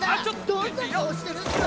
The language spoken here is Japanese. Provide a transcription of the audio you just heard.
どんな顔してるんすか？